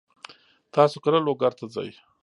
تاسو کله لوګر ته ځئ؟